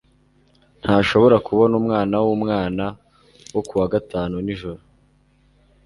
ntashobora kubona umwana wumwana wo kuwa gatanu nijoro